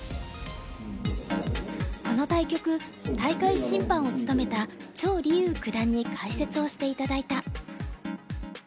この対局大会審判を務めた張豊九段に解説をして頂いた。